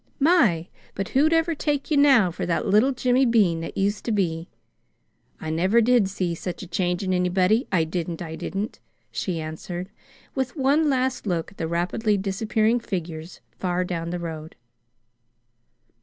My, but who'd ever take you now for that little Jimmy Bean that used to be! I never did see such a change in anybody I didn't, I didn't!" she answered, with one last look at the rapidly disappearing figures far down the road.